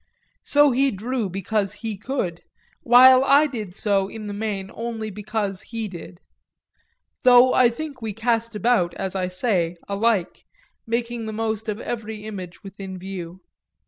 So he drew because he could, while I did so in the main only because he did; though I think we cast about, as I say, alike, making the most of every image within view.